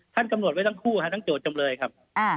ท่านกำหนดทั้งคู่ฯทั้งโจทย์จำเลยครับ